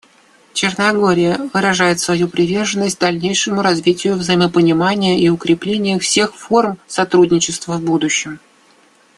Черногория выражает свою приверженность дальнейшему развитию взаимопонимания и укреплению всех форм сотрудничества в будущем.